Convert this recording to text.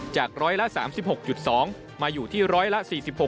จากร้อยละ๓๖๒มาอยู่ที่ร้อยละ๔๖